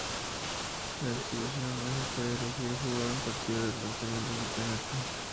En la exhibición, uno puede elegir jugar un partido o lanzamientos de penalty.